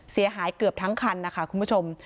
เสียหายเกือบทั้งคันนะคะคุณผู้ชม